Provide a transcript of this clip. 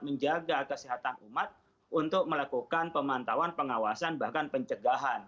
menjaga kesehatan umat untuk melakukan pemantauan pengawasan bahkan pencegahan